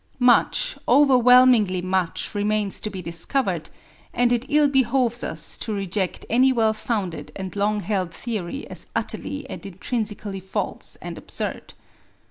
Much, overwhelmingly much, remains to be discovered, and it ill behoves us to reject any well founded and long held theory as utterly and intrinsically false and absurd.